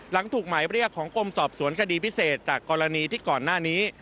หลังถูกหมายเรียกของกรมสอบสวนคดีพิเศษจากกรณีที่ก่อนหน้านี้